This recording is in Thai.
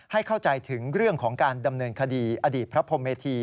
ให้เข้าใจถึงเรื่องของการดำเนินคดีอดีตพระพรมเมธี